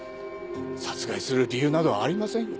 殺害する理由などありません。